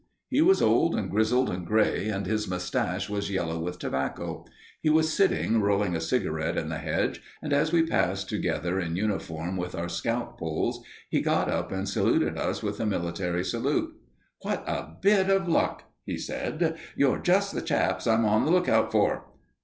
He was old and grizzled and grey, and his moustache was yellow with tobacco. He was sitting rolling a cigarette in the hedge, and as we passed together in uniform with our scout poles, he got up and saluted us with a military salute. "What a bit of luck!" he said. "You're just the chaps I'm on the look out for."